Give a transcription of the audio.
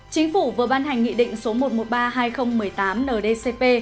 chính phủ vừa ban hành nghị định số một trăm một mươi ba hai nghìn một mươi tám ndcp